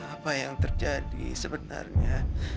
apa yang terjadi sebenarnya